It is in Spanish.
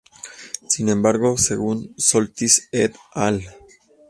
Sin embargo, según Soltis et al.